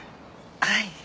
はい。